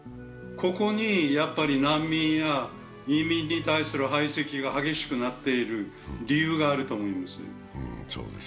ここに難民や移民に対する排斥が激しくなっている理由があると思うんです。